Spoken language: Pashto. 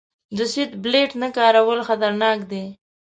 د سیټ بیلټ نه کارول خطرناک دي.